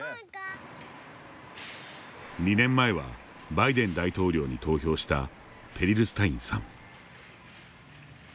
２年前は、バイデン大統領に投票したペリルスタインさん。